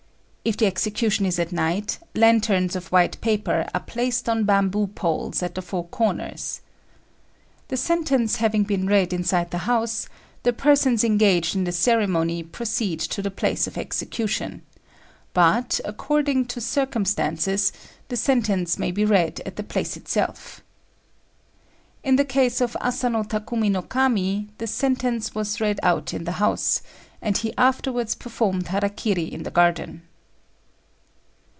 If the execution is at night, lanterns of white paper are placed on bamboo poles at the four corners. The sentence having been read inside the house, the persons engaged in the ceremony proceed to the place of execution; but, according to circumstances, the sentence may be read at the place itself. In the case of Asano Takumi no Kami, the sentence was read out in the house, and he afterwards performed hara kiri in the garden.